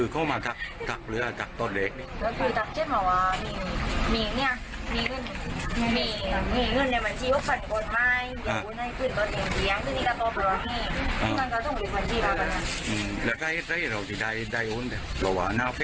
ครับ